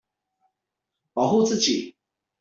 保護自己